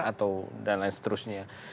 atau dan lain seterusnya